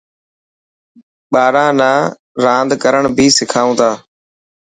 ٻاران نا راند ڪرڻ بهي سکائون ٿا.